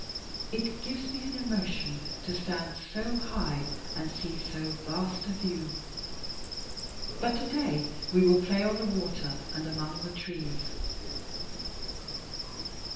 It gives me an emotion to stand so high and see so vast a view but to day we will play on the water and among the trees."